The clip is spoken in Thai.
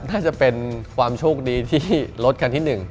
น่าจะเป็นความโชคดีที่รถคันที่๑